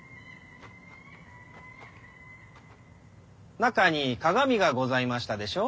中に「鏡」がございましたでしょう。